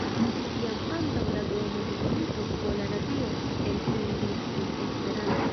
Jam antaŭ la dua mondmilito Pola Radio elsendis en Esperanto.